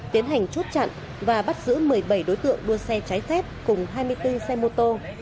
tiến hành chốt chặn và bắt giữ một mươi bảy đối tượng đua xe trái phép cùng hai mươi bốn xe mô tô